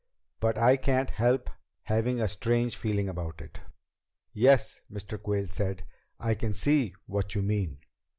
But I can't help having a strange feeling about it." "Yes," Mr. Quayle said, "I can see what you mean."